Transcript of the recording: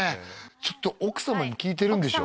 ちょっと奥様に聞いてるんでしょ